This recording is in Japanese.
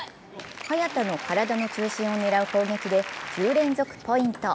早田の体の中心を狙う攻撃で１０連続ポイント。